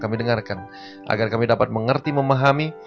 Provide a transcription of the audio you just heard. agar kami dapat mengerti memahami